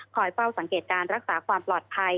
เฝ้าสังเกตการรักษาความปลอดภัย